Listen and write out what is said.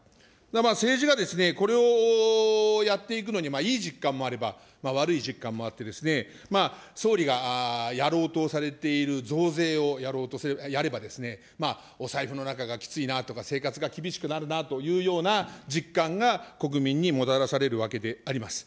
政治がこれをやっていくのにいい実感もあれば、悪い実感もあって、総理がやろうとされている増税をやれば、お財布の中がきついなとか、生活が厳しくなるなというような実感が、国民にもたらされるわけであります。